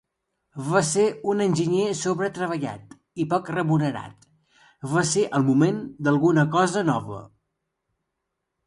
Va ser una enginyer sobre-treballat i poc remunerat, va ser el moment d'alguna cosa nova.